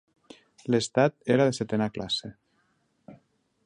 L'estat era de setena classe.